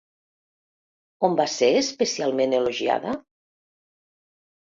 On va ser especialment elogiada?